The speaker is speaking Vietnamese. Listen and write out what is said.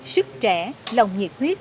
sức trẻ lòng nhiệt huyết